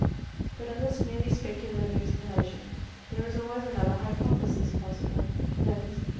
But in this merely speculative explanation there is always another hypothesis possible, viz.